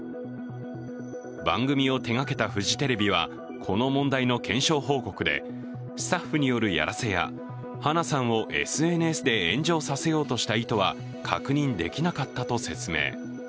番組を手がけたフジテレビはこの問題の検証報告で、スタッフによるやらせや花さんをＳＮＳで炎上させようとした意図は確認できなかったと説明。